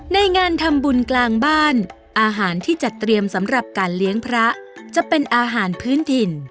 งานทำบุญกลางบ้านอาหารที่จัดเตรียมสำหรับการเลี้ยงพระจะเป็นอาหารพื้นถิ่น